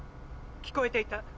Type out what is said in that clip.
聞こえていた。